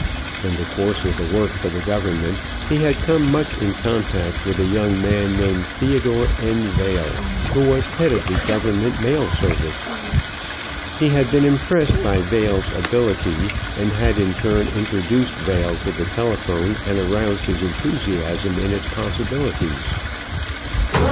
In the course of the work for the Government he had come much in contact with a young man named Theodore N. Vail, who was head of the Government mail service. He had been impressed by Vail's ability and had in turn introduced Vail to the telephone and aroused his enthusiasm in its possibilities.